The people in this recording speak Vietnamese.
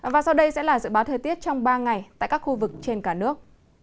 và sau đây sẽ là dự báo thời tiết trong ba ngày tại các khu vực trên cả nước